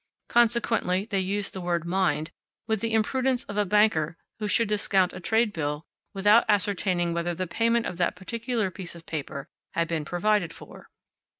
Consequently they use the word "mind" with the imprudence of a banker who should discount a trade bill without ascertaining whether the payment of that particular piece of paper had been provided for.